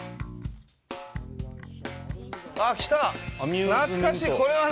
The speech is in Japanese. あっ来た。